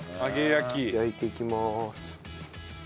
焼いていきます。